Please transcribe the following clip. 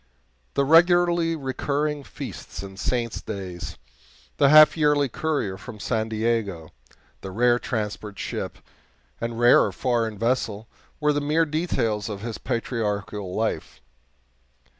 The regularly recurring feasts and saints' days, the half yearly courier from San Diego, the rare transport ship and rarer foreign vessel, were the mere details of his patriarchal life.